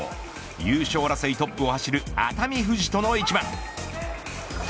優勝争いトップを走る熱海富士との一番。